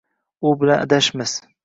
U bilan adashmiz.